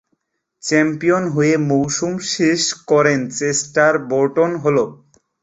Champion হয়ে মৌসুম শেষ করেন চেস্টার বোটন হল।